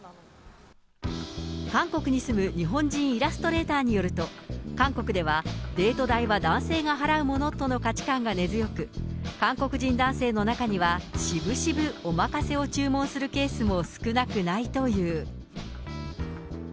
韓国に住む日本人イラストレーターによると、韓国ではデート代は男性が払うものとの価値観が根強く、韓国人男性の中には、しぶしぶおまかせを注文するケースも少なくないという。